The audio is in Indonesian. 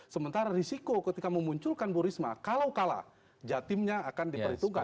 sementara risiko ketika memunculkan bu risma kalau kalah jatimnya akan diperhitungkan